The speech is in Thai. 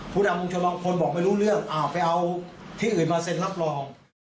ผู้ดังมุมชาวบางคนบอกไปรู้เรื่องเอาไปเอาที่อื่นมาเซ็นรับรอง